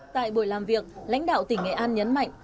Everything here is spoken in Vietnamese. tại buổi làm việc lãnh đạo tỉnh nghệ an nhấn mạnh